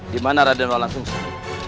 dimana radenol langsung selesai